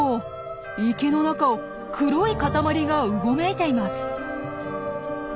池の中を黒い塊がうごめいています。